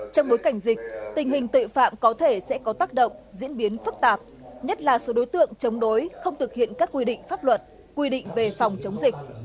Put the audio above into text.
trong bối cảnh dịch tình hình tội phạm có thể sẽ có tác động diễn biến phức tạp nhất là số đối tượng chống đối không thực hiện các quy định pháp luật quy định về phòng chống dịch